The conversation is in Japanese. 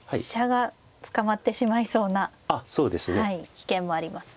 危険もありますね。